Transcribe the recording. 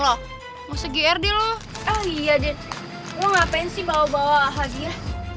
loh mau segera di lu iya deh ngapain sih bawa bawa lagi ya